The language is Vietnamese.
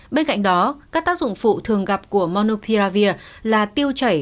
bên cạnh đó các tác dụng phụ thường gặp của monopiavir là tiêu chảy